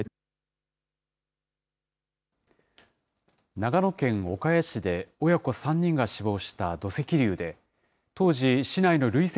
長野県岡谷市で親子３人が死亡した土石流で、当時、市内の累積